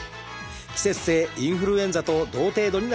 季節性インフルエンザと同程度になります。